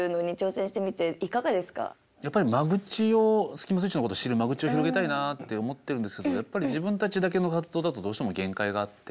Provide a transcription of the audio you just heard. スキマスイッチのこと知る間口を広げたいなって思ってるんですけどやっぱり自分たちだけの活動だとどうしても限界があって。